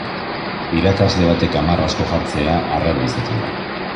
Irakasle batek hamar asko jartzea arraro izaten da.